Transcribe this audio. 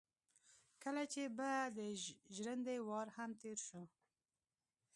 کله چې به د ژرندې وار هم تېر شو.